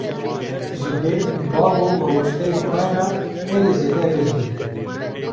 Ji dê, bav û mamosteyên xwe re herî zêde rêz bigre